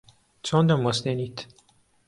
چۆن دەموەستێنیت؟